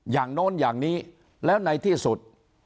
โน้นอย่างนี้แล้วในที่สุด